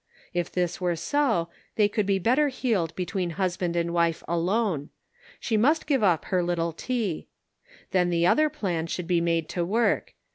If this were so, they could be better healed between hus band and wife alone ; she must give up her little tea. Then the other plan should be made to work.